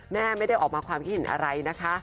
แม่ไม่ได้ออกมาความคิดเห็นอะไรนะคะ